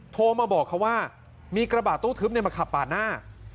โทรมาบอกเขาว่ามีกระบาดตู้ทึบมาขับปาดหน้า